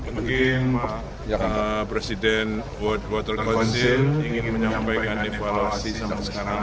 mungkin presiden world water councing ingin menyampaikan evaluasi sampai sekarang